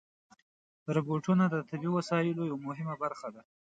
روبوټونه د طبي وسایلو یوه مهمه برخه ده.